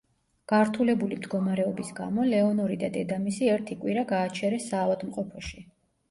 გართულებული მდგომარეობის გამო, ლეონორი და დედამისი ერთი კვირა გააჩერეს საავადმყოფოში.